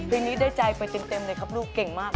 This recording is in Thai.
เพลงนี้ได้ใจไปเต็มเลยครับลูกเก่งมาก